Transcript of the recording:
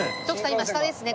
今下ですね。